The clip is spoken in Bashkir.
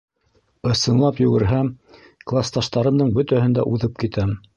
Ысынлап йүгерһәм, класташтарымдың бөтәһен дә уҙып китәм.